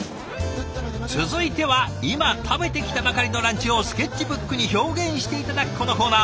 続いては今食べてきたばかりのランチをスケッチブックに表現して頂くこのコーナー。